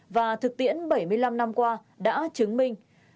và thực tiễn bảy mươi năm năm qua đã chứng minh